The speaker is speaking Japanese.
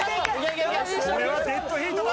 これはデッドヒートだ！